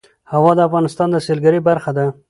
هوا د افغانستان د سیلګرۍ برخه ده.